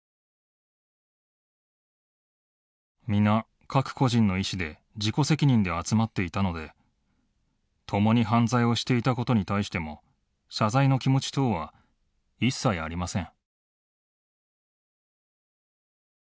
「皆各個人の意志で自己責任で集まっていたので共に犯罪をしていたことに対しても謝罪の気持ち等は一切ありません」。